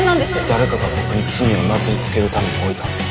誰かが僕に罪をなすりつけるために置いたんです。